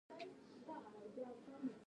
قاضي صاحب یعقوب د حقوقو پوهنځي فارغ و.